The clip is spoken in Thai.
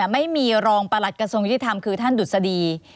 ไม่มีรองประหลัดกับสงสัยธรรมคือท่านดุษฎี